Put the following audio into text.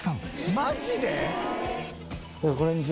マジで？